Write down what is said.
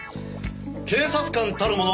警察官たるもの